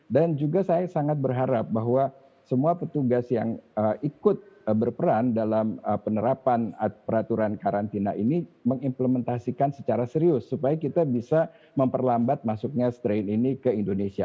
dan juga saya sangat berharap bahwa semua petugas yang ikut berperan dalam penerapan peraturan karantina ini mengimplementasikan secara serius supaya kita bisa memperlambat masuknya strain ini ke indonesia